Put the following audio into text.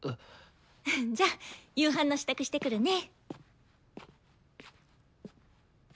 じゃ夕飯の支度してくるね。